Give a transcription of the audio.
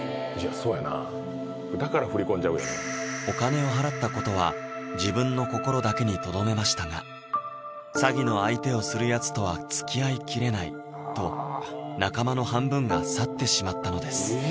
そうやなだから振り込んじゃうよなお金を払ったことは自分の心だけにとどめましたが詐欺の相手をするやつとはつきあいきれないと仲間の半分が去ってしまったのです